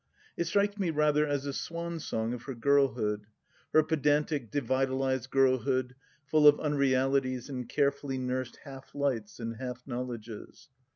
It strikes me rather as the swan song of her girlhood — her pedantic devitalized girlhood, full of unrealities and carefully nursed half lights and half knowledges.